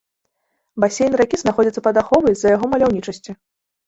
Басейн ракі знаходзіцца пад аховай з-за яго маляўнічасці.